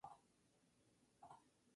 Su posición natural era la de alero.